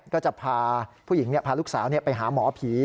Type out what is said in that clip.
ก็จะพาผู้หญิงพาลูกสาวไปหาหมอผี